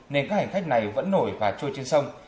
nên các hành khách này vẫn nổi và trôi trên sông